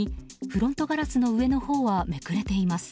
フロントガラスの上のほうはめくれています。